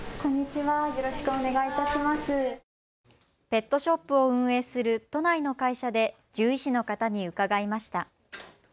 ペットショップを運営する都内の会社で獣医師の方に伺いました。